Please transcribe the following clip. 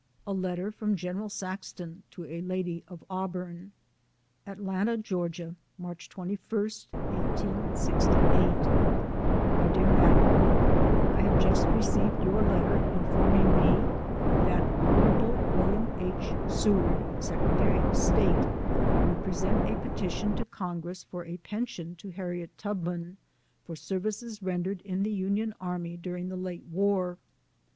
A Letter from Gen. Saxton to a Lady of Auburn. ATLANTA, GA., March 21, 1868. MY DEAR MADAME : I have just received your letter informing me that Hon. Wm. H. Seward, Secretary of State, would present a petition to Congress for a pension to Harriet Tubman, for services rendered in the Union Armv durin<> the / O late war.